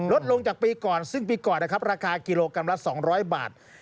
ลดลงจากปีก่อนซึ่งปีก่อนนะครับราคากิโลกรัมละ๒๐๐บาท